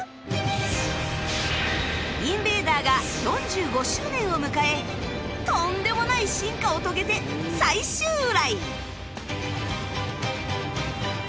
インベーダーが４５周年を迎えとんでもない進化を遂げて再襲来